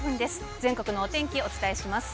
全国のお天気、お伝えします。